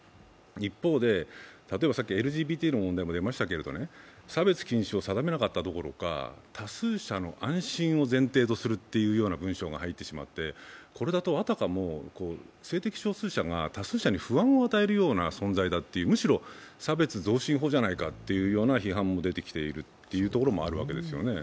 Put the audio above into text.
一方で、例えばさっきＬＧＢＴの問題も出ましたけど、差別禁止を定めなかったどころか多数者の安心を前提とするというような文章が入ってしまって、これだとあたかも性的少数者が多数者に不安を与えるような存在だというむしろ差別増進法じゃないという批判も出てきているところもあるわけですよね。